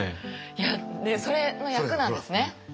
いやそれの役なんですね。